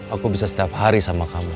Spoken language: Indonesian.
aku bisa setiap hari sama kamu